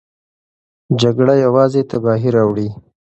جګړه یوازې تباهي راوړي.